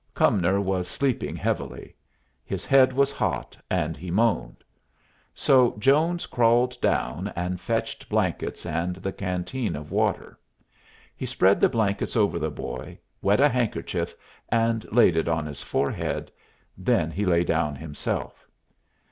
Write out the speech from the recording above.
Cumnor was sleeping heavily; his head was hot, and he moaned. So Jones crawled down, and fetched blankets and the canteen of water. He spread the blankets over the boy, wet a handkerchief and laid it on his forehead; then he lay down himself.